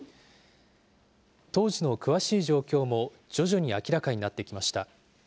当時の詳しい状況も徐々に明らかになってきました。